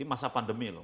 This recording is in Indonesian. ini masa pandemi loh